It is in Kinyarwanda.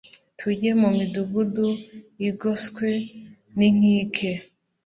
Tujye mu midugudu igoswe n inkike